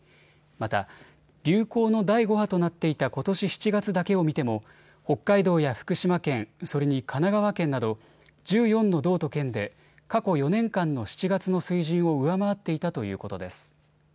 また流行の第５波となっていたことし７月だけを見ても北海道や福島県それに神奈川県など１４の道と県で過去４年間の７月の水準を上回っていたということです。